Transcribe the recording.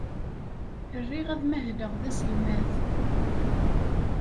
Riɣ ad mahleɣ d aselmad.